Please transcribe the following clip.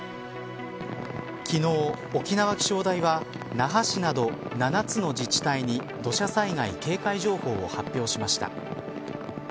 昨日、沖縄気象台は那覇市など７つの自治体に土砂災害警戒情報を発表しました。